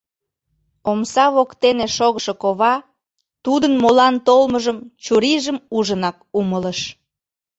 Омса воктене шогышо кова тудын молан толмыжым чурийжым ужынак умылыш.